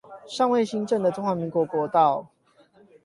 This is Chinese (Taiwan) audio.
尚未興建的中華民國國道